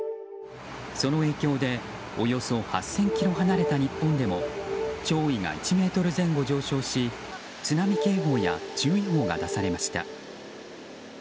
その影響でおよそ８０００ｋｍ離れた日本でも潮位が１ｍ前後上昇し津波警報や注意報が出されました。